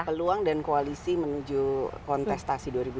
peluang dan koalisi menuju kontestasi